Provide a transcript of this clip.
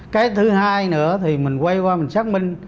cái thứ hai nữa thì mình quay qua mình xác minh